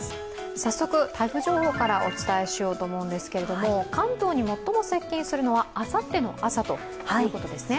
早速、台風情報からお伝えしようと思うんですが関東に最も接近するのはあさっての朝ということですね。